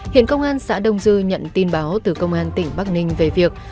hiện công an xã đông dư nhận tin báo từ công an tỉnh bắc ninh về việc